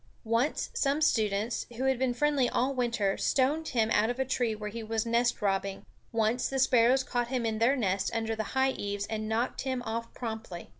Once some students, who had been friendly all winter, stoned him out of a tree where he was nestrobbing; once the sparrows caught him in their nest under the high eaves, and knocked him off promptly.